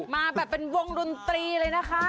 มาแบบเป็นวงดนตรีเลยนะคะ